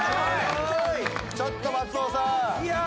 ちょっと松尾さん。